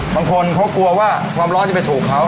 บางคนเขากลัวว่าความร้อนจะไปถูกเขา